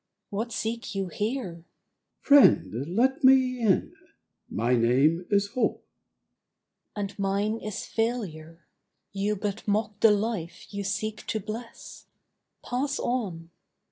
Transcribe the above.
What seek you here?' THE NEW YEAR: 'Friend, let me in; my name is Hope.' MORTAL: 'And mine is Failure; you but mock the life you seek to bless. Pass on.